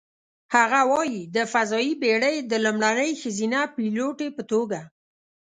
هغه وايي: "د فضايي بېړۍ د لومړنۍ ښځینه پیلوټې په توګه،